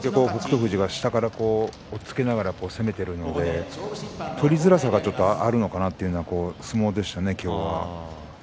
富士は下から押っつけながら攻めているので取りづらさがあるのかなという相撲でしたね。